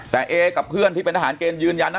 แต่เอกับเพื่อนที่เป็นทหารเกณฑ์ยืนยันนะ